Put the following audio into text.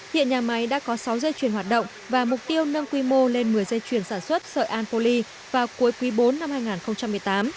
hiện nhà máy đã có sáu dây chuyền hoạt động và mục tiêu nâng quy mô lên một mươi dây chuyền sản xuất sợi anpoly vào cuối quý bốn năm hai nghìn một mươi tám